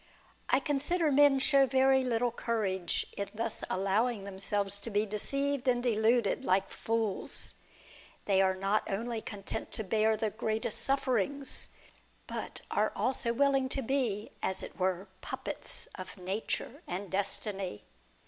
I consider men show very little courage in thus allowing themselves to be deceived and deluded like fools ; they are" not only content to bear the greatest sufferings, but also are willing to be as it were puppets of Nature and Destiny.